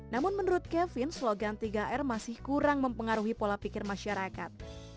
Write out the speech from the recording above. namun menurut kevin slogan tiga r masih kurang mempengaruhi pola pikir masyarakat